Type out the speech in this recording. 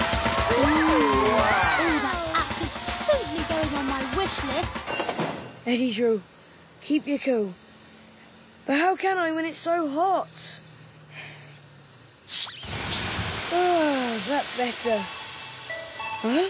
うん？